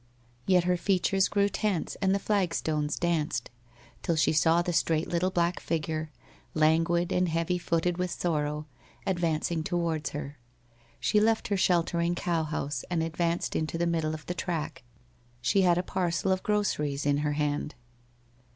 Yet her features grew tense and the flagstones danced, till she saw the straight little black figure, languid and heavy footed with sorrow, advancing towards her. She left her sheltering cowhouse, and ad vanced into the middle of the track. She had a parcel of groceries in her hand.